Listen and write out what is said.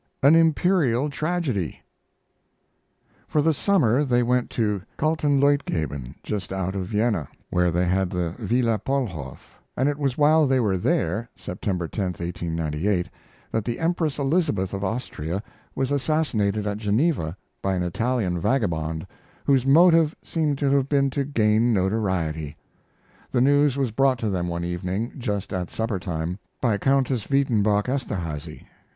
AN IMPERIAL TRAGEDY For the summer they went to Kaltenleutgeben, just out of Vienna, where they had the Villa Paulhof, and it was while they were there, September 10, 1898, that the Empress Elizabeth of Austria was assassinated at Geneva by an Italian vagabond, whose motive seemed to have been to gain notoriety. The news was brought to them one evening, just at supper time, by Countess Wydenbouck Esterhazy.